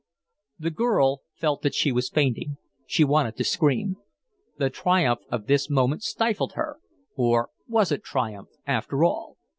The girl felt that she was fainting. She wanted to scream. The triumph of this moment stifled her or was it triumph, after all?